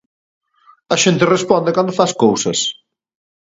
A xente responde cando fas cousas.